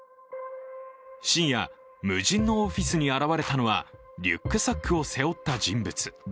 深夜、無人のオフィスに現れたのは、リュックサックを背負った人物。